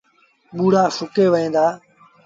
ٻوڙآ سُڪي وهيݩ دآ۔